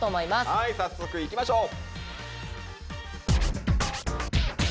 はい早速いきましょう。